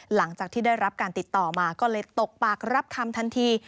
หลังจากที่ได้รับการติดต่อมาก็เลยตกปากรับคำทันที